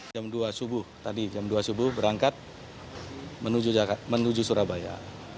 jam dua subuh tadi jam dua subuh berangkat menuju surabaya